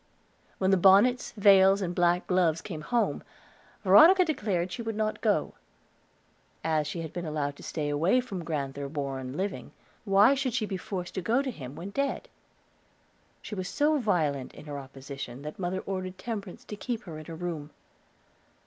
When the bonnets, veils, and black gloves came home, Veronica declared she would not go. As she had been allowed to stay away from Grand'ther Warren living, why should she be forced to go to him when dead? She was so violent in her opposition that mother ordered Temperance to keep her in her room.